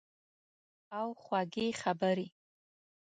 او خوږې خبرې